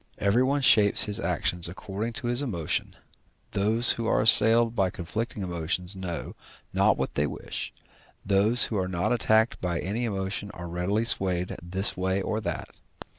Everyone shapes his actions according to his emotion, those who are assailed by conflicting emotions know not what they wish; those who are not attacked by any emotion are readily swayed this way or that.